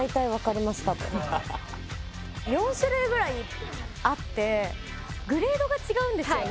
たぶん４種類ぐらいあってグレードが違うんですよね